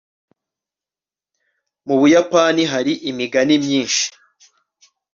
mu buyapani hari imigani myinshi